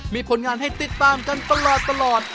มีผลงานให้ติดตามกันตลอด